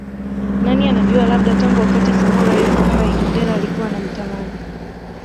Nani anajua labda tangu wakati Samora yupo hai Mandela alikuwa anamtamani